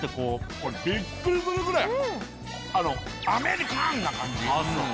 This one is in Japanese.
これビックリするぐらいアメリカンな感じ。